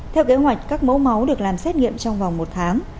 theo kế hoạch các mẫu máu được làm xét nghiệm trong vòng một tháng